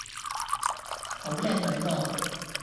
好靚女噃